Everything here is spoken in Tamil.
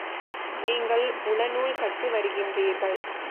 நீங்கள் உளநூல் கற்று வருகின்றீர்கள்.